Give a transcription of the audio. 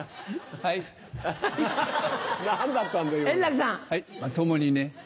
はいまともにね。